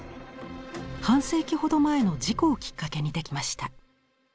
半世紀ほど前の事故をきっかけにできました。